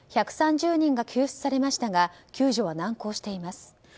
１３０人が救出されましたが救助は難航しています。